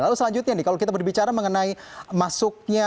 lalu selanjutnya nih kalau kita berbicara mengenai masuknya